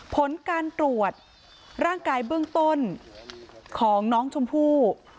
ผลการตรวจร่างกายเบื้องต้นของน้องชมพู่